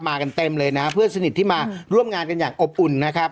กันเต็มเลยนะเพื่อนสนิทที่มาร่วมงานกันอย่างอบอุ่นนะครับ